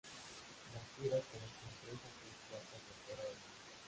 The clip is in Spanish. Las tiras conectan tres a seis placas de acero o bronce.